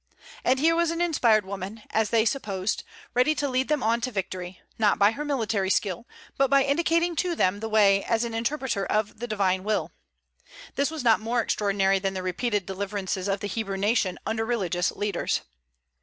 And here was an inspired woman, as they supposed, ready to lead them on to victory, not by her military skill, but by indicating to them the way as an interpreter of the Divine will. This was not more extraordinary than the repeated deliverances of the Hebrew nation under religious leaders.